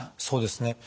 そうですね。